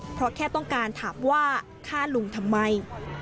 เพราะแค่ต้องการถามว่าฆ่าลุงทำไม